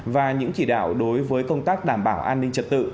và những chỉ đạo đối với công tác đảm bảo an ninh trật tự